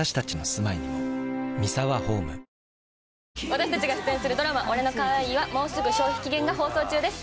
私たちが出演するドラマ『俺の可愛いはもうすぐ消費期限！？』が放送中です。